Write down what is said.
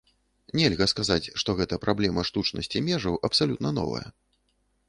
Нельга сказаць, што гэта праблема штучнасці межаў абсалютна новая.